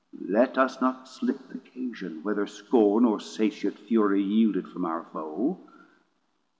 Let us not slip th' occasion, whether scorn, Or satiate fury yield it from our Foe.